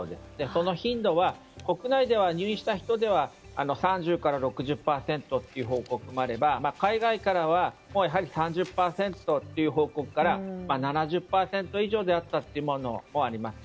その頻度は国内では入院した人では３０から６０％という報告もあれば、海外からは３０％という報告から７０％以上であったというものもあります。